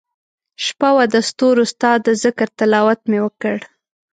شپه وه دستورو ستا دذکرتلاوت مي وکړ